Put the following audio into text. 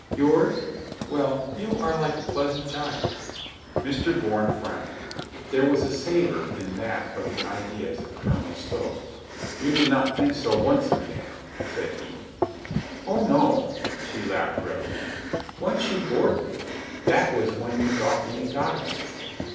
"Yours? Well, you are like a pleasant child." 138 ROYSTON BREAKS HIS SWORD 139 Mr. Bourne frowned. There was a savor in that of the ideas of Colonel Stow. "You did not think so once, madame," said he. "Oh, no," she laughed readily. "Once you bored me. That was when you thought me a goddess."